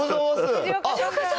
藤岡さん。